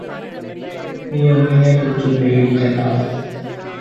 നീ ഒന്നിനെ കുറിച്ചും പേടിക്കേണ്ട